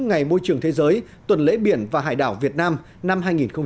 ngày môi trường thế giới tuần lễ biển và hải đảo việt nam năm hai nghìn một mươi bảy